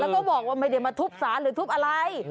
แล้วก็บอกว่าไม่ได้มาทุบสารหรือทุบอะไร